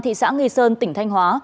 thị xã nghi sơn tỉnh thanh hóa